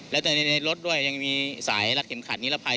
แล้วแต่ในรถด้วยยังมีสายรัดเข็มขัดนิรภัย